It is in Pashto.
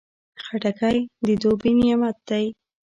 خټکی د دوبی نعمت دی.